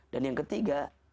dan yang ketiga